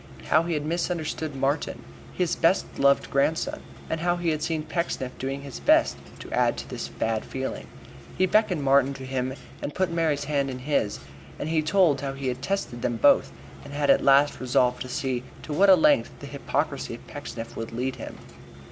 How he had misunderstood Martin, his best loved grandson, and how he had seen Pecksniff doing his best to add to this bad feeling. He beckoned Martin to him and put Mary's hand in his, as he told how he had tested them both and had at last resolved to see to what a length the hypocrisy of Pecksniff would lead him.